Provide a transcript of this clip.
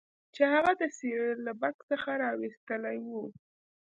چې هغه د سیریل له بکس څخه راویستلی و